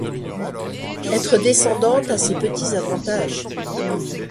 Être Descendante a ses petits avantages.